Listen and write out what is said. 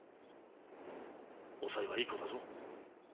おさよはいい子だぞ。